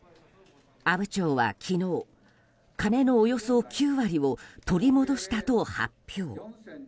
阿武町は昨日、金のおよそ９割を取り戻したと発表。